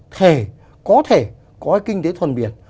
thể có thể có cái kinh tế thuần biển